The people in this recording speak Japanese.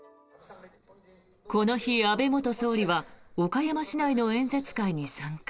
この日、安倍元総理は岡山市内の演説会に参加。